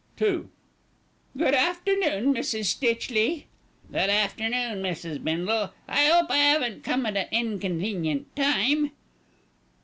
II "Good afternoon, Mrs. Stitchley." "Good afternoon, Mrs. Bindle. I 'ope I 'aven't come at a inconvenient time."